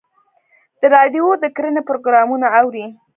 د راډیو د کرنې پروګرامونه اورئ؟